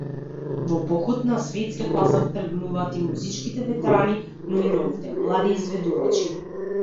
Во поход на светскиот пазар тргнуваат и музичките ветерани, но и новите, млади изведувачи.